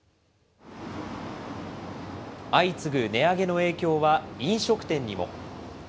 相次ぐ値上げの影響は、飲食店にも。